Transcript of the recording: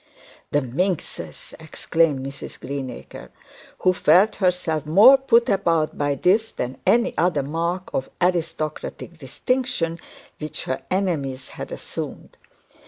'The minxes!' exclaimed Mrs Greenacre, who felt herself more put about by this than any other mark of aristocratic distinction which her enemies had assumed.